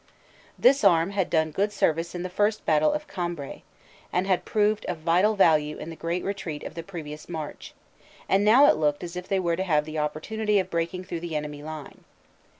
This arm had done good service in the first Battle of Cambrai, and had proved of vital value in the great retreat of the pre vious March, and now it looked as if they were to have the opportunity of breaking through the enemy line.